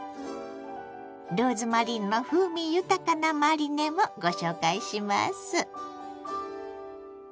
ローズマリーの風味豊かなマリネもご紹介します。